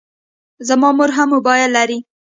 زما مور هم موبایل لري.